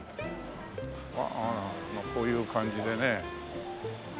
あらまあこういう感じでね。